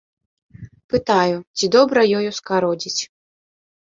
Пытаю, ці добра ёю скародзіць.